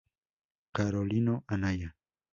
Carolino Anaya.